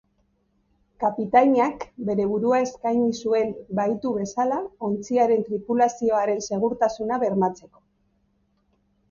Kapitainak bere burua eskaini zuen bahitu bezala, ontziaren tripulazioaren segurtasuna bermatzeko.